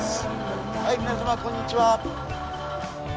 はい皆様こんにちは。